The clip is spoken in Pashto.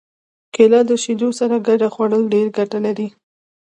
کېله د شیدو سره ګډه خوړل ډېره ګټه لري.